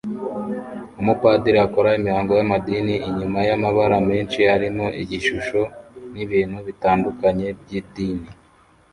Umupadiri akora imihango y’amadini inyuma yamabara menshi arimo igishusho nibintu bitandukanye by’idini